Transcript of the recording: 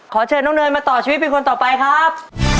เชิญน้องเนยมาต่อชีวิตเป็นคนต่อไปครับ